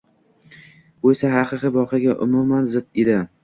bu esa haqiqiy voqeaga umuman zid edi.